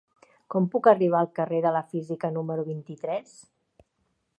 Com puc arribar al carrer de la Física número vint-i-tres?